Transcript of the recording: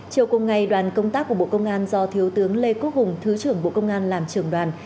chiều cùng ngày đoàn công tác của bộ công an do thiếu tướng lê quốc hùng thứ trưởng bộ công an làm trưởng đoàn